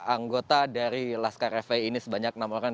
anggota dari laskar fpi ini sebanyak enam orang